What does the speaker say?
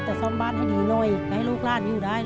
แต่สมบัติอยู่โน่ยให้ลูกร้านอยู่ได้